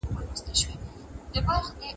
هم ئې سوځي، هم ئې ورکوي.